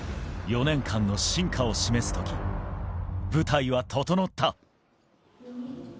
４年間の真価を示すとき舞台は整った。